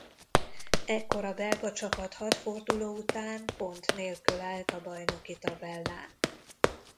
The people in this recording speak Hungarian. Ekkor a belga csapat hat forduló után pont nélkül állt a bajnoki tabellán.